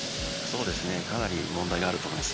かなり問題があると思います。